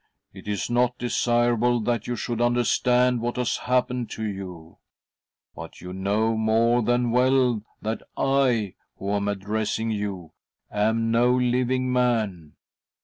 It is not desirable that you should understand what has . happened to you. But you know more than well that I, who am addressing you, am no living man.